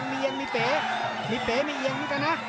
เก๋มีเย็ง